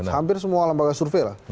hampir semua lembaga survei lah